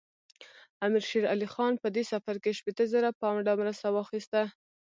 امیر شېر علي خان په دې سفر کې شپېته زره پونډه مرسته واخیسته.